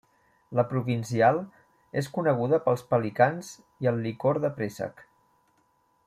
La provincial és coneguda pels pelicans i el licor de préssec.